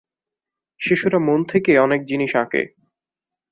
শিশুরা মন থেকে অনেক জিনিস আঁকে।